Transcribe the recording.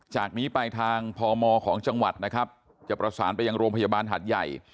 จากนี้ไปทางพมของจังหวัดนะครับจะประสานไปยังโรงพยาบาลหาดใหญ่